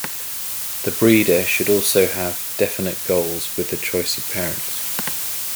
The breeder should also have definite goals with the choice of parents.